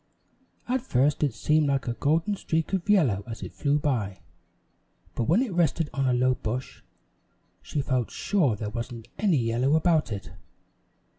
At first it seemed like a golden streak of yellow as it flew by, but when it rested on a low bush, she felt sure there wasn't any yellow about it.